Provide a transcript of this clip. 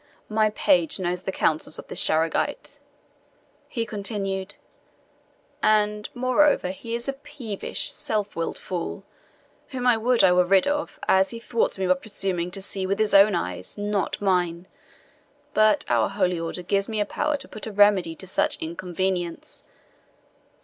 My page knows the counsels of this Charegite," he continued; "and, moreover, he is a peevish, self willed fool, whom I would I were rid of, as he thwarts me by presuming to see with his own eyes, not mine. But our holy order gives me power to put a remedy to such inconvenience.